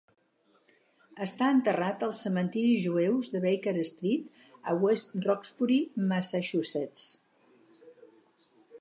Està enterrat als cementiris jueus de Baker Street, a West Roxbury, Massachusetts.